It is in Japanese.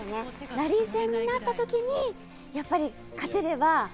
ラリー戦になった時にやっぱり勝てれば。